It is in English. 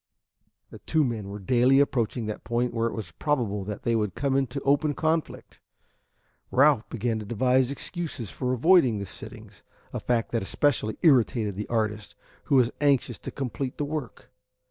The two men were daily approaching that point where it was probable that they would come into open conflict. Ralph began to devise excuses for avoiding the sittings, a fact that especially irritated the artist, who was anxious to complete the work.